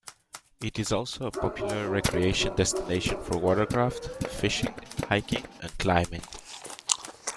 It is also a popular recreation destination for watercraft, fishing, hiking, and climbing.